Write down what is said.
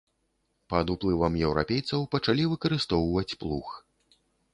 Пад уплывам еўрапейцаў пачалі выкарыстоўваць плуг.